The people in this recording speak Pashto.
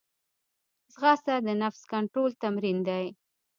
ځغاسته د نفس کنټرول تمرین دی